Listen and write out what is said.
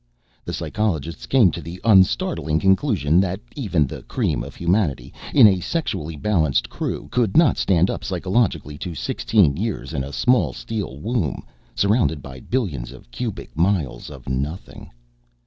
The psychologists came to the unstartling conclusion that even the cream of humanity, in a sexually balanced crew, could not stand up psychologically to sixteen years in a small steel womb, surrounded by billions of cubic miles of nothing.